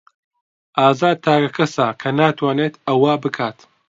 ئازاد تاکە کەسە کە ناتوانێت ئەوە بکات.